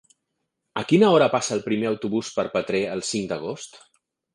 A quina hora passa el primer autobús per Petrer el cinc d'agost?